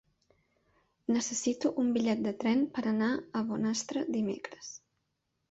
Necessito un bitllet de tren per anar a Bonastre dimecres.